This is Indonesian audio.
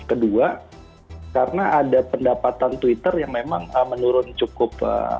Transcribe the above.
kedua karena ada pendapatan twitter yang memang menurun cukup